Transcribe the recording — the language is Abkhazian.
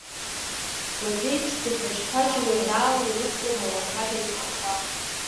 Гәаҭеи ԥшӡа ԥаџьԥаџьуа, еинаала, ирыцлон ауахьад еицырхәхәа.